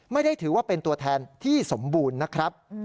ไม่ได้ถือว่าเป็นตัวแทนที่สมบูรณ์นะครับ